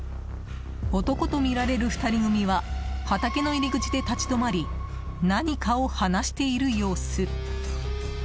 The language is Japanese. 男とみられる２人組は畑の入り口で立ち止まり何かを話している様子。